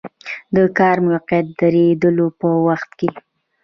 د کار د موقت دریدلو په وخت کې.